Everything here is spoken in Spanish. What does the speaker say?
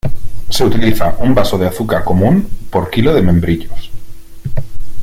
Se utiliza un vaso de azúcar común por kilo de membrillos.